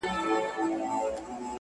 خو لستوڼي مو تل ډک وي له مارانو٫